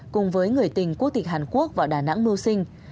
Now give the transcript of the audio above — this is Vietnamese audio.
cùng với người tình quốc tịch hàn quốc vào đà nẵng mưu sinh